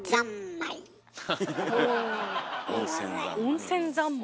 温泉三昧。